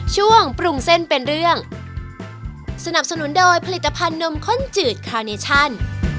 ช่วงปรุงเส้นเป็นเรื่องสนับสนุนโดยผลิตภัณฑ์นมข้นจืดคาเนชั่น